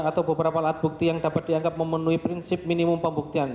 atau beberapa alat bukti yang dapat dianggap memenuhi prinsip minimum pembuktian